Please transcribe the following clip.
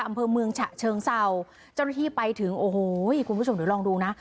อำเภอเมืองฉะเชิงเศร้าเจ้าหน้าที่ไปถึงโอ้โหคุณผู้ชมเดี๋ยวลองดูนะ